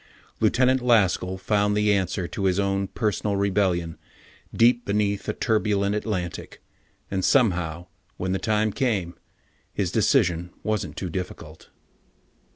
Lieutenant Laskell found the answer to his own personal rebellion deep beneath a turbulent Atlantic, and somehow, when the time came, his decision wasn't too difficult....